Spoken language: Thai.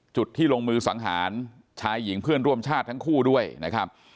จุดที่ลงมือสังหารชายหญิงเพื่อนร่วมชาติทั้งคู่ด้วยนะครับ